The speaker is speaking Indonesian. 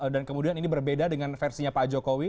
dan kemudian ini berbeda dengan versinya pak jokowi